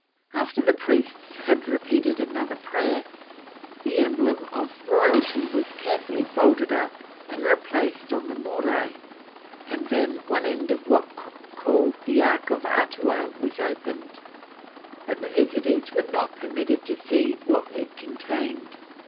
After the priests had repeated another prayer, the emblem of royalty was carefully folded up and replaced on the Morai, and then one end of what Cook called the Ark of the Eatua was opened, but the visitors were not permitted to see what it contained.